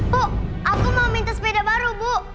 bu aku mau minta sepeda baru bu